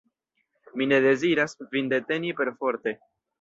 Mi ne deziras vin deteni perforte!